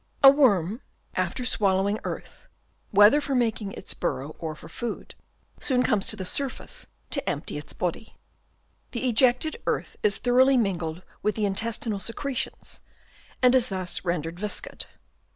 A worm after swallowing earth, whether for making its burrow or for food, soon comes to the surface to empty its body. The ejected earth is thoroughly mingled with the intestinal secretions, and is thus rendered viscid.